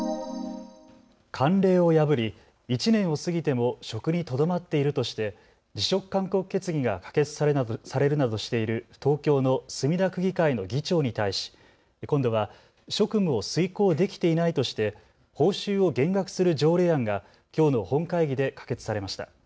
慣例を破り１年を過ぎても職にとどまっているとして辞職勧告決議が可決されるなどしている東京の墨田区議会の議長に対し、今度は職務を遂行できていないとして報酬を減額する条例案がきょうの本会議で可決されました。